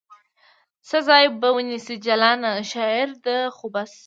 څه ځای به ونیسي جلانه ؟ شاعرې ده خو بس